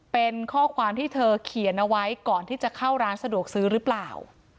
เป็นข้อความที่เธอเขียนเอาไว้ก่อนที่จะเข้าร้านสะดวกซื้อหรือเปล่า